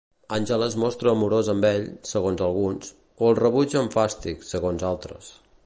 Àngela es mostra amorosa amb ell, segons alguns, o el rebutja amb fàstic segons altres.